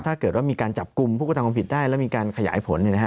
ถ้าเกิดว่ามีการจับกลุ่มผู้กระทำความผิดได้แล้วมีการขยายผล